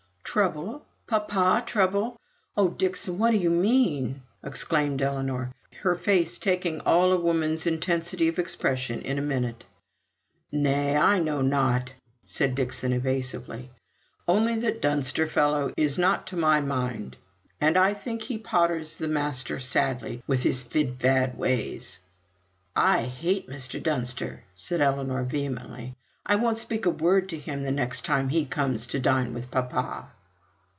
"Trouble papa, trouble! Oh, Dixon! what do you mean?" exclaimed Ellinor, her face taking all a woman's intensity of expression in a minute. "Nay, I know nought," said Dixon, evasively. "Only that Dunster fellow is not to my mind, and I think he potters the master sadly with his fid fad ways." "I hate Mr. Dunster!" said Ellinor, vehemently. "I won't speak a word to him the next time he comes to dine with papa."